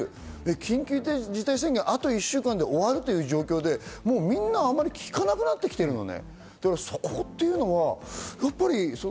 緊急事態宣言あと一週間で終わるという事態でみんなあまり聞かなくなってきてるよね。